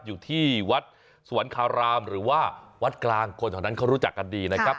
อยู่ที่วัดสวรรคารามหรือว่าวัดกลางคนเท่านั้นเขารู้จักกันดีนะครับ